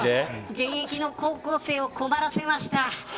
現役の高校生を困らせました。